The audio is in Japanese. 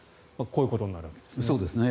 こういうことになるわけですね。